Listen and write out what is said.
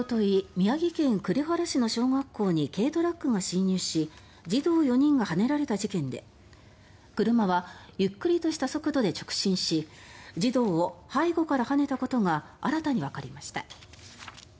宮城県栗原市の小学校に軽トラックが侵入し児童４人がはねられた事件で車はゆっくりとした速度で直進し児童を背後からはねたことが新たにわかりました。